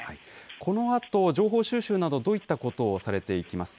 このあと、情報収集など、どういったことをされていきますか。